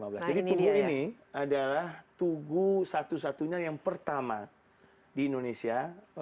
tugu ini adalah tugu satu satunya yang pertama di indonesia